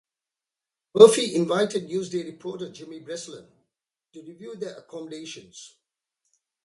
Murphy invited Newsday reporter Jimmy Breslin to review the accommodations.